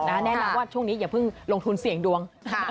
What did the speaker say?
แนะนำว่าช่วงนี้อย่าเพิ่งลงทุนเสี่ยงดวง